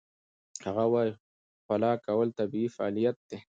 هغه وايي خوله کول طبیعي فعالیت دی.